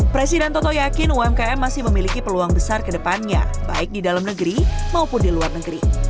presiden toto yakin umkm masih memiliki peluang besar ke depannya baik di dalam negeri maupun di luar negeri